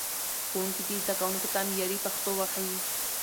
ښوونکي دې زدهکوونکو ته معیاري پښتو وښيي.